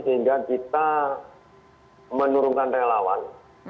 sehingga kita menurunkan relawan